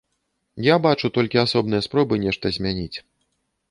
Я бачу толькі асобныя спробы нешта змяніць.